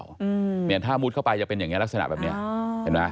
เนี่ยถ้ามุดเข้าไปจะเป็นลักษณะแบบนี้เห็นไหม